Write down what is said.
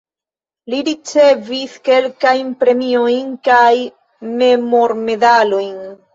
Li ricevis kelkajn premiojn kaj memormedalojn.